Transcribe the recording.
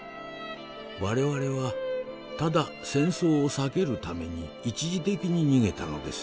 我々はただ戦争を避けるために一時的に逃げたのです。